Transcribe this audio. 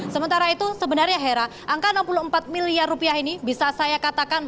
sementara itu sebenarnya hera angka enam puluh empat miliar rupiah ini bisa saya katakan